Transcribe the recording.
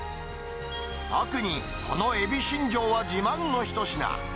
特に、この海老真丈は自慢の一品。